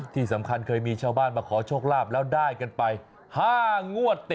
ที่สำคัญเคยมีชาวบ้านมาขอโชคลาภแล้วได้กันไป๕งวดติด